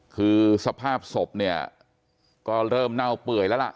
คือสภาพศพเนี่ยก็เริ่มเน่าเปื่อยแล้วล่ะ